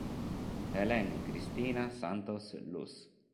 Helen Cristina Santos Luz